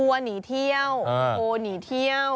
ฮ่าหวัวหนีเที่ยวโล่หนีเที่ยว